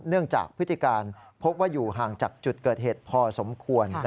จากพฤติการพบว่าอยู่ห่างจากจุดเกิดเหตุพอสมควร